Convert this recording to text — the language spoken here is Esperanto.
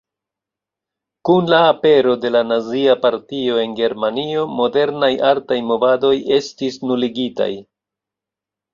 Kun la apero de la Nazia Partio en Germanio, modernaj artaj movadoj estis nuligitaj.